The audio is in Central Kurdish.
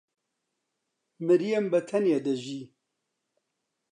مریەم بەتەنێ دەژی.